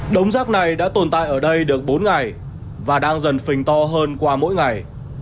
đống rác này đã tồn tại ở đây được bốn ngày và đang dần phình to hơn qua mỗi ngày